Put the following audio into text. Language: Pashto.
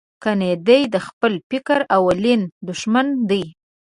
کنه دای د خپل فکر اولین دوښمن دی.